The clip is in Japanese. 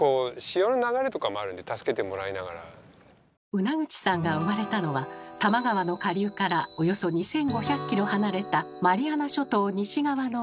ウナグチさんが生まれたのは多摩川の下流からおよそ２，５００ｋｍ離れたマリアナ諸島西側の海。